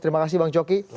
terima kasih bang jokowi